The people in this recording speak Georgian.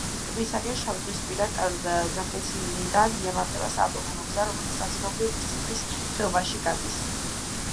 ტბისკენ შავიზღვისპირა გზატკეცილიდან მიემართება საავტომობილო გზა, რომელიც ნაწილობრივ ბზიფის ხეობაში გადის.